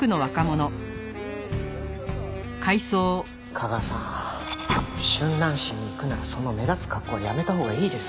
架川さん春蘭市に行くならその目立つ格好はやめたほうがいいです。